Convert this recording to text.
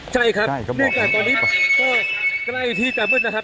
ใช่ครับเนื่องจากตอนนี้ก็ใกล้ที่จะมืดนะครับ